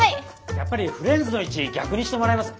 やっぱりフレンズの位置逆にしてもらえます？